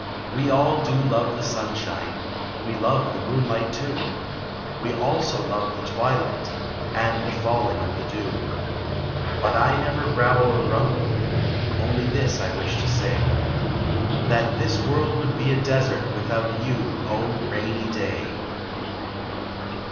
We all do love the sunshine, We love the moonlight, too, We also love the twilight, And the falling of the dew; But I never growl or grumble, Only this I wish to say;— That this world would be a desert Without you, oh! Rainy Day!